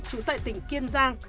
trú tại tỉnh kiên giang